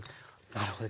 なるほど。